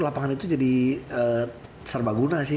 lapangan itu jadi serba guna sih